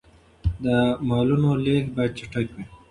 د مالونو لېږد باید چټک وي.